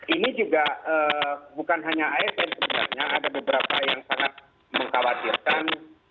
ini juga bukan hanya asn sebenarnya ada beberapa yang sangat mengkhawatirkan